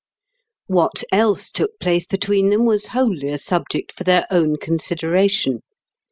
What else took place between them was wholly a subject for their own consideration.